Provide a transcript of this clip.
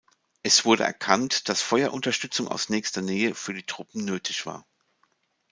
Es wurde erkannt, dass Feuerunterstützung aus nächster Nähe für die Truppen nötig war.